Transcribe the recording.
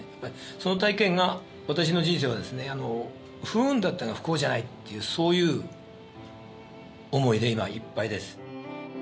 その体験が私の人生は不運だったが不幸じゃないっていうそういう思いで今いっぱいです。